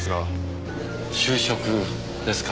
就職ですか？